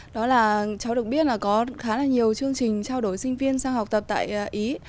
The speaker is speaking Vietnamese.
đó là cháu được biết là có khá là nhiều chương trình trao đổi sinh viên sang học tập tại ý